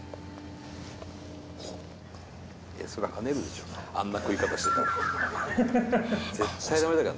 「そりゃあはねるでしょあんな食い方してたら」